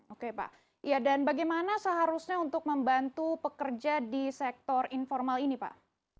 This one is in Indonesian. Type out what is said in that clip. oke pak dan bagaimana seharusnya untuk membantu pekerja di sektor informal ini pak